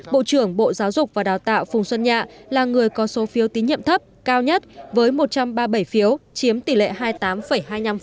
bộ trưởng bộ giáo dục và đào tạo phùng xuân nhạ là người có số phiếu tín nhiệm thấp cao nhất với một trăm ba mươi bảy phiếu chiếm tỷ lệ hai mươi tám hai mươi năm